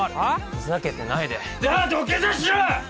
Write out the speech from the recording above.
ふざけてないでじゃあ土下座しろよ！